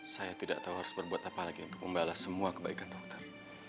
saya tidak tahu harus berbuat apa lagi untuk membalas semua kebaikan dokter